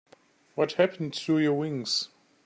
What happened to your wings?